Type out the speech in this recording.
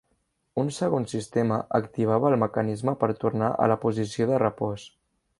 Un segon sistema activava el mecanisme per tornar a la posició de repòs.